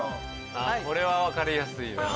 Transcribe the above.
これは分かりやすいよな。